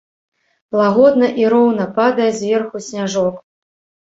Лагодна і роўна падае зверху сняжок.